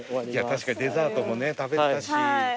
確かにデザートもね食べたし。